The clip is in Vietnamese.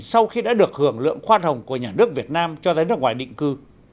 sau khi đã được hưởng lượng khoan hồng của nhà nước việt nam cho ra nước ngoài định cư